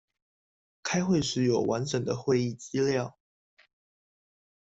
開會時有完整的會議資料